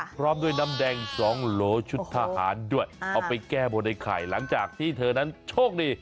พร้อมด้วยน้ำแดงสองโหลชุดทหารด้วยเอาไปแก้บนไอ้ไข่หลังจากที่เธอนั้นโชคดี